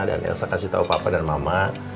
dan elsa kasih tau papa dan mama